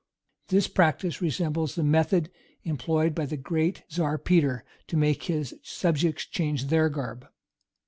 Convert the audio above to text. [*] This practice resembles the method employed by the great Czar Peter to make his subjects change their garb.